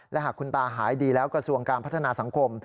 และหากคุณตาหายดีแล้วกระทรวงการพัฒนาสังคม